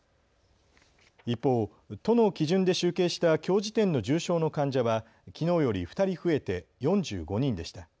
一方、都の基準で集計したきょう時点の重症の患者はきのうより２人増えて４５人でした。